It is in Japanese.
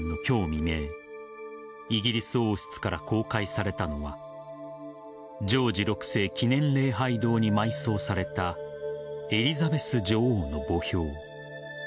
未明イギリス王室から公開されたのはジョージ６世記念礼拝堂に埋葬されたエリザベス女王の墓標。